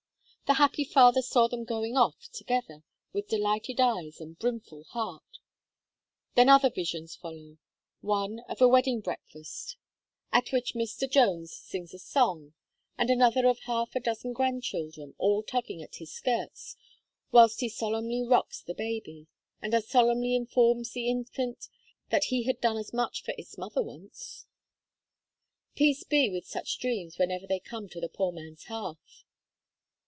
The happy father saw them going off together with delighted eyes and brimful heart Then other visions follow; one of a wedding breakfast at which Mr. Jones sings a song, and another of half a dozen grandchildren, all tugging at his skirts, whilst he solemnly rocks the baby, and as solemnly informs the infant: "that he had done as much for its mother once." Peace be with such dreams whenever they come to the poor man's hearth!